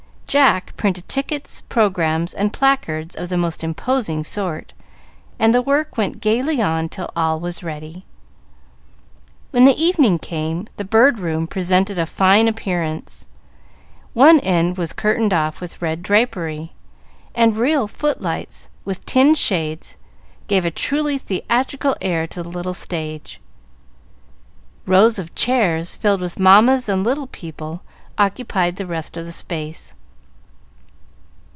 Jack printed tickets, programmes, and placards of the most imposing sort, and the work went gayly on till all was ready. When the evening came, the Bird Room presented a fine appearance. One end was curtained off with red drapery; and real footlights, with tin shades, gave a truly theatrical air to the little stage. Rows of chairs, filled with mammas and little people, occupied the rest of the space.